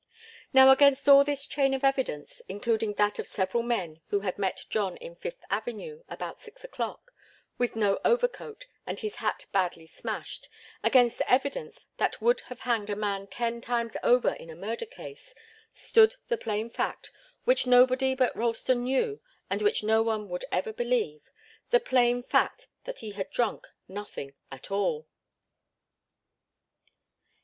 Now against all this chain of evidence, including that of several men who had met John in Fifth Avenue about six o'clock, with no overcoat and his hat badly smashed, against evidence that would have hanged a man ten times over in a murder case, stood the plain fact, which nobody but Ralston knew, and which no one would ever believe the plain fact that he had drunk nothing at all.